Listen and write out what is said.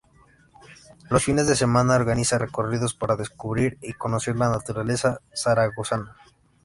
Los fines de semana organiza recorridos para descubrir y conocer la naturaleza zaragozana.